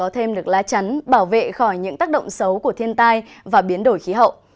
thêm được lá chắn bảo vệ khỏi những tác động xấu của thiên tai và biến đổi khí hậu